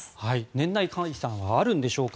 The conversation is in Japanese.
年内解散はあるのでしょうか。